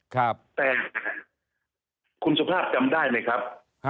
แต่คุณสุภาพจำได้ไหมครับ